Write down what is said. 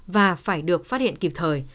và phải được phát hiện kịp thời